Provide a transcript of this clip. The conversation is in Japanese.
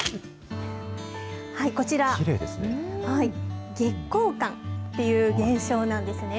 こちら、月光冠という現象なんですね。